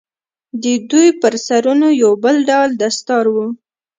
د دوى پر سرونو يو بل ډول دستار و.